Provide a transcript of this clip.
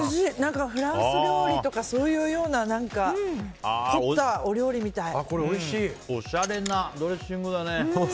フランス料理とかそういうようなおしゃれなドレッシングだね。